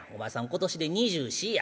今年で２４や。